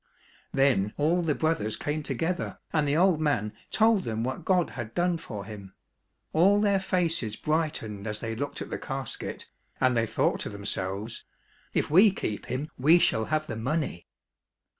Then all the brothers came together, and the old man told them what God had done for him. All their faces brightened as they looked at the casket, and they thought to themselves, " If we keep him we shall have the money."